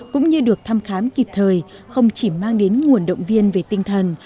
cũng như được thăm khám kịp thời không chỉ mang đến nguồn động viên về tinh thần